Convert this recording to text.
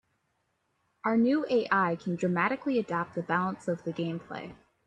Our new AI can dynamically adapt the balance of the gameplay.